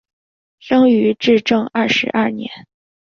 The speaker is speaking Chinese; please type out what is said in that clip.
生于至正二十二年。